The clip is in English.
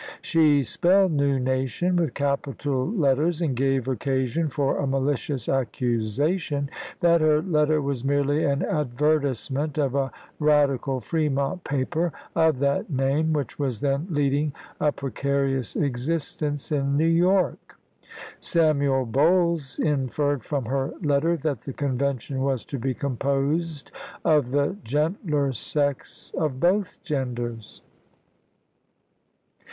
She spelled "new nation" with capital letters, and gave oc casion for a malicious accusation that her letter was merely an advertisement of a radical Fremont paper of that name which was then leading a pre carious existence in New York. Samuel Bowles inferred from her letter that the convention was to be composed of "the gentler sex of both genders."